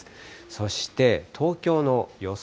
そして東京の予想